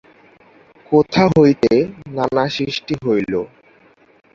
কোথা হইতে নানা সৃষ্টি হইল?